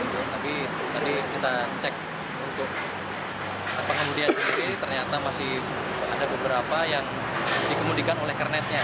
tapi tadi kita cek untuk pengemudian sendiri ternyata masih ada beberapa yang dikemudikan oleh kernetnya